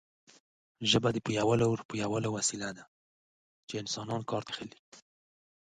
ژبه د پوهولو او راپوهولو وسیله ده چې انسانان کار ځنې اخلي.